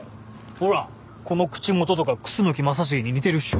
ほらこの口元とか楠木正成に似てるっしょ。